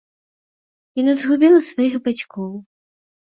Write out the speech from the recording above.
Яна згубіла сваіх бацькоў.